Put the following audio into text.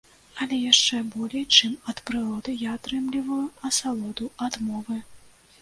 Але яшчэ болей, чым ад прыроды, я атрымліваю асалоду ад мовы.